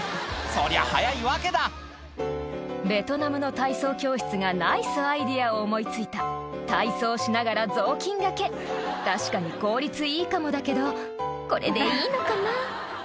そりゃ速いわけだベトナムの体操教室がナイスアイデアを思い付いた体操しながら雑巾がけ確かに効率いいかもだけどこれでいいのかな？